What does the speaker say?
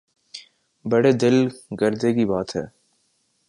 بڑے دل گردے کی بات ہے۔